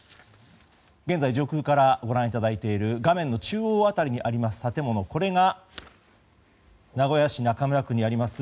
現在上空からご覧いただいている画面の中央辺りにある建物これが名古屋市中村区にあります